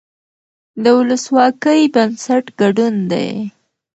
د ولسواکۍ بنسټ ګډون دی